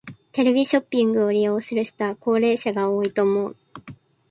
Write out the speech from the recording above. テレビショッピングを利用する人は高齢者が多いと思う。